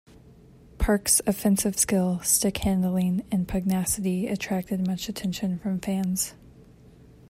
Park's offensive skill, stickhandling and pugnacity attracted much attention from fans.